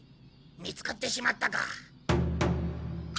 見つかってしまったか。